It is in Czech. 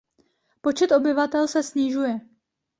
Počet obyvatel se snižuje.